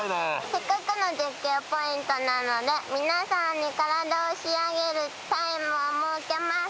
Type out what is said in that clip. せっかくの絶景ポイントなので皆さんに体を仕上げるタイムを設けます。